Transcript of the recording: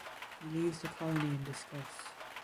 He leaves the colony in disgust.